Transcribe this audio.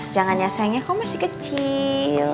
jangan ya sayangnya kau masih kecil